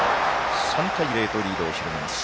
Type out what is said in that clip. ３対０とリードを広げます。